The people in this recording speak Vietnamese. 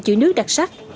chữ nước đặc sắc